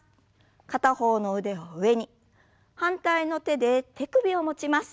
片方の腕を上に反対の手で手首を持ちます。